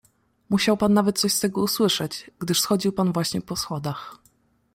"Musiał pan nawet coś z tego usłyszeć, gdyż schodził pan właśnie po schodach."